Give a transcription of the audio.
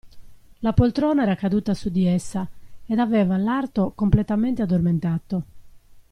La poltrona era caduta su di essa, ed aveva l'arto completamente addormentato.